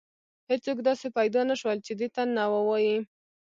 هیڅوک داسې پیدا نه شول چې دې ته نه ووایي.